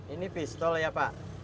ini pistol ya pak